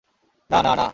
না না না!